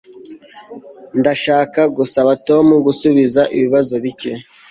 Ndashaka gusaba Tom gusubiza ibibazo bike